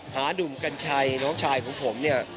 หนุ่มกัญชัยน้องชายของผมเนี่ย